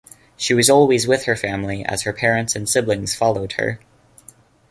She was always with her family as her parents and siblings followed her.